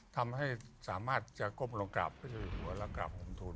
ทำให้สามารถจะก้มลงกราบพระเจ้าอยู่หัวและกราบหงทุน